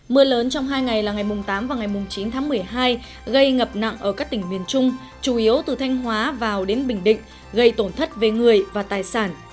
mưa lớn trong hai ngày là ngày tám và ngày chín tháng một mươi hai gây ngập nặng ở các tỉnh miền trung chủ yếu từ thanh hóa vào đến bình định gây tổn thất về người và tài sản